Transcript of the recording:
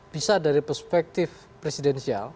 bisa dari perspektif presidensial